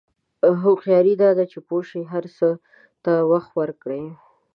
هوښیاري دا ده چې پوه شې هر څه ته وخت ورکړې.